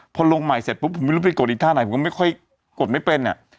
พอลงใหม่เสร็จปุ๊บผมไม่รู้ไปกดอีกท่าไหนผมก็ไม่ค่อยกดไม่เป็นอ่ะ